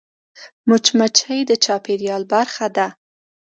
مچمچۍ د چاپېریال برخه ده